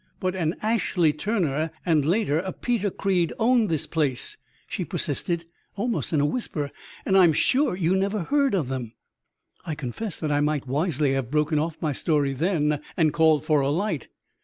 "But an Ashley Turner and later a Peter Creed owned this place," she persisted almost in a whisper, "and I am sure you never heard of them." I confess that I might wisely have broken off my story then and called for a light.